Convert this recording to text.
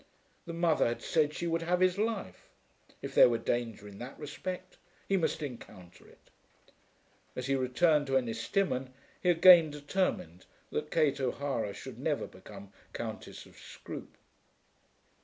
The mother had said that she would have his life. If there were danger in that respect he must encounter it. As he returned to Ennistimon he again determined that Kate O'Hara should never become Countess of Scroope.